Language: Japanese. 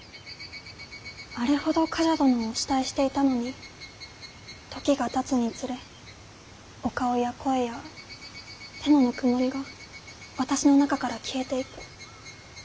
あれほど冠者殿をお慕いしていたのに時がたつにつれお顔や声や手のぬくもりが私の中から消えていく。